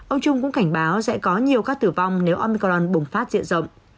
ông trung cũng cảnh báo sẽ có nhiều ca tử vong nếu omicron bùng phát diện rộng